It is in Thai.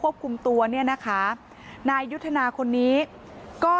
เมื่อเวลาอันดับ